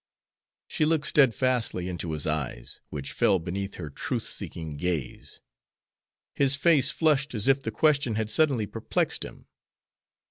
She looked steadfastly into his eyes, which fell beneath her truth seeking gaze. His face flushed as if the question had suddenly perplexed him.